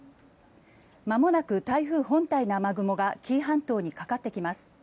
まもなく台風本体の雨雲が紀伊半島にかかってきます。